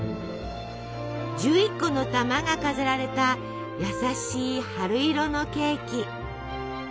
１１個の玉が飾られた優しい春色のケーキ。